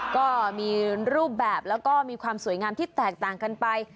ก็มีรูปแบบแล้วก็มีความสวยงามที่แตกต่างกันไป